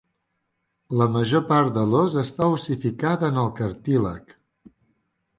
La major part de l"ós està ossificada en el cartílag.